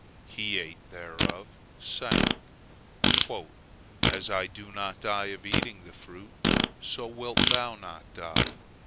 He ate thereof, saying: "As I do not die of eating the fruit, so wilt thou not die."